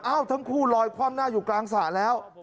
ทั้งคู่ลอยคว่ำหน้าอยู่กลางสระแล้ว